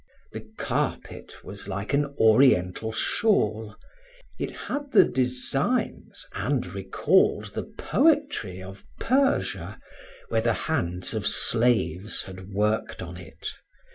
The carpet was like an Oriental shawl; it had the designs and recalled the poetry of Persia, where the hands of slaves had worked on it.